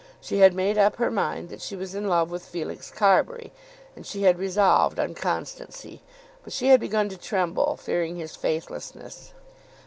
She had made up her mind that she was in love with Felix Carbury, and she had resolved on constancy. But she had begun to tremble, fearing his faithlessness.